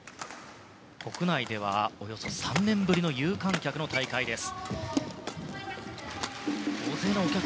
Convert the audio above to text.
国内ではおよそ３年ぶりの有観客での大会です。